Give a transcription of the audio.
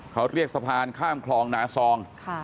เขาเรียกสะพานข้ามคลองนาซอง